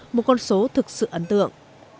một con số thực sự ấn tượng